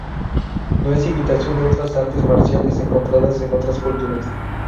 No es imitación de otras artes marciales encontradas en otras culturas.